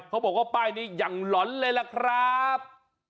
เขาบอกว่าป้ายนี้อย่างหล่อนเลยล่ะครับ